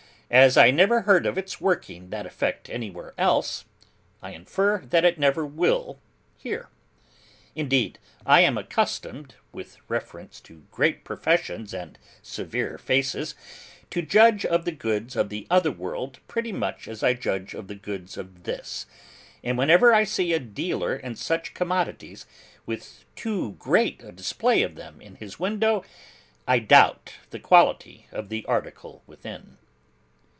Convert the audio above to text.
As I never heard of its working that effect anywhere else, I infer that it never will, here. Indeed, I am accustomed, with reference to great professions and severe faces, to judge of the goods of the other world pretty much as I judge of the goods of this; and whenever I see a dealer in such commodities with too great a display of them in his window, I doubt the quality of the article within.